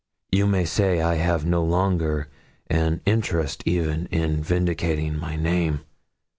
You may say I have no longer an interest even in vindicating my name.